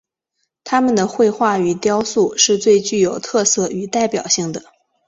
他们的绘画与雕塑是最具特色与代表性的。